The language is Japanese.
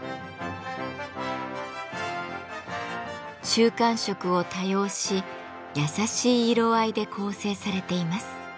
中間色を多用し優しい色合いで構成されています。